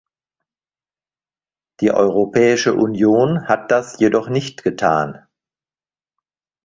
Die Europäische Union hat das jedoch nicht getan.